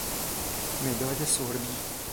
مداد سربی